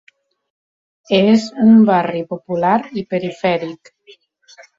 És un barri popular i perifèric.